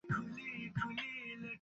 এটা আমাদের পালাতে সাহায্য করবে।